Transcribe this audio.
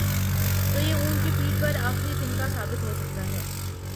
تو یہ اونٹ کی پیٹھ پر آخری تنکا ثابت ہو سکتا ہے۔